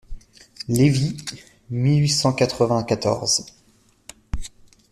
Lévy, mille huit cent quatre-vingt-quatorze.